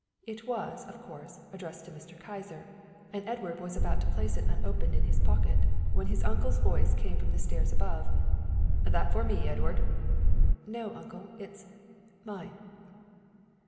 It was, of course, addressed to Mr. Kyser, and Edward was about to place it unopened in his pocket, when his uncle's voice came from the stairs above "That for me, Edward?" "No, uncle; it's mine."